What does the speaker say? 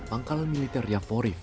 pangkalan militer yavoriv